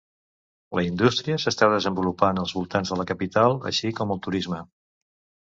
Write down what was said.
La indústria s'està desenvolupant als voltants de la capital, així com el turisme.